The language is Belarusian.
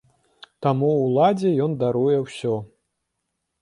Таму ўладзе ён даруе ўсё.